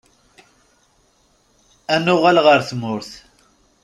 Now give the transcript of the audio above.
Ad nuɣal ɣer tmurt.